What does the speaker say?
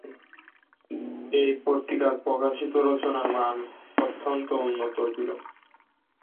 এই পত্রিকায় প্রকাশিত রচনার মান অত্যন্ত উন্নত ছিল।